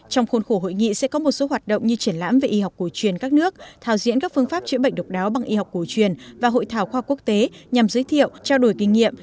trong khuôn khổ hội nghị sẽ có một số hoạt động như triển lãm về y học cổ truyền các nước thảo diễn các phương pháp chữa bệnh độc đáo bằng y học cổ truyền và hội thảo khoa quốc tế nhằm giới thiệu trao đổi kinh nghiệm